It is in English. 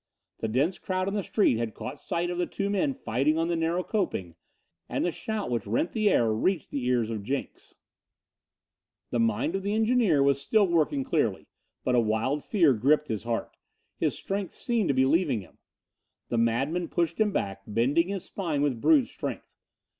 The dense crowd in the street had caught sight of the two men fighting on the narrow coping, and the shout which rent the air reached the ears of Jenks. The mind of the engineer was still working clearly, but a wild fear gripped his heart. His strength seemed to be leaving him. The madman pushed him back, bending his spine with brute strength.